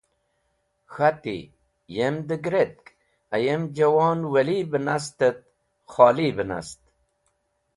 K̃hati: Ye dheg̃hdek! Ayem jawon Wali be nast et kholi be nast.